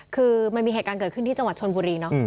คือมันมีเหตุการณ์เกิดขึ้นที่จังหวัดชนบุรีเนาะ